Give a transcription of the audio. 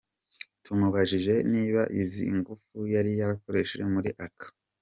Tumubajije niba izi ngufu yari yakoresheje muri aka.